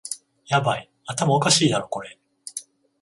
ヤバい、頭おかしいだろこれ